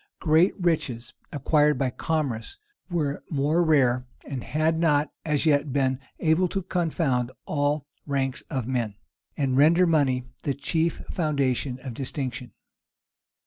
Great riches acquired by commerce were more rare, and had not as yet been able to confound all ranks of men, and render money the chief foundation of distinction.